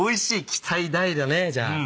期待大だねじゃあ。